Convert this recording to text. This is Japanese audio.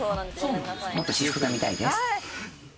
もっと私服がみたいです。